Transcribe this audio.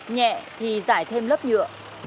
nhẹ thì giải thêm lớp nhựa